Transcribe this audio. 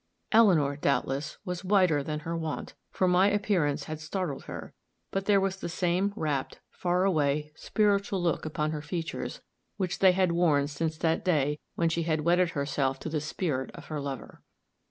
Eleanor, doubtless, was whiter than her wont, for my appearance had startled her; but there was the same rapt, far away, spiritual look upon her features which they had worn since that day when she had wedded herself to the spirit of her lover.